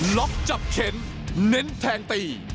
ล็อกจับเข็นเน้นแทงตี